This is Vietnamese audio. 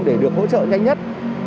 để được hỗ trợ nhanh nhất